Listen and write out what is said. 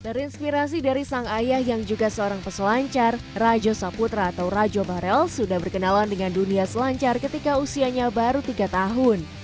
terinspirasi dari sang ayah yang juga seorang peselancar rajo saputra atau rajo barel sudah berkenalan dengan dunia selancar ketika usianya baru tiga tahun